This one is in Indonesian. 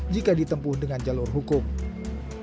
jika ditempuh dengan pembunuhan pesantren al zaitun